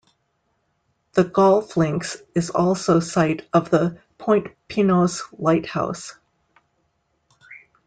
The golf links is also site of the Point Pinos Lighthouse.